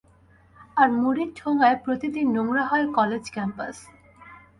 আর মুড়ির ঠোঙায় প্রতিদিন নোংরা হয় কলেজ ক্যাম্পাস।